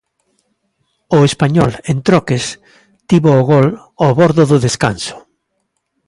O Español, en troques, tivo o gol ao bordo do descanso.